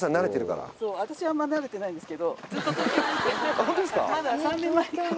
あっホントですか？